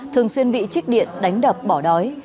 thường xuyên bị trích điện đánh đập bỏ đói